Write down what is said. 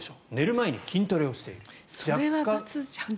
前に筋トレをしている。